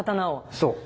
そう。